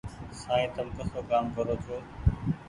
سائين تم ڪسو ڪآم ڪرو ڇو ۔